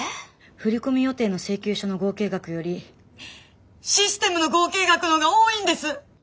振り込み予定の請求書の合計額よりシステムの合計額の方が多いんです。